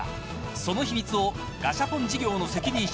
その秘密をガシャポン事業の責任者